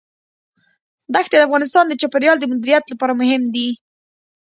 دښتې د افغانستان د چاپیریال د مدیریت لپاره مهم دي.